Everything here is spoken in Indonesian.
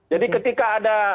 jadi ketika ada indikator